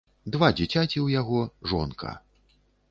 Два дзіцяці ў яго, жонка.